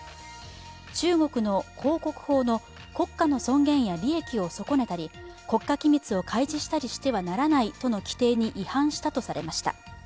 中国の広告法の国家の尊厳や利益を損ねたり国家機密を開示したりしてはならないとの規定に違反したとされました。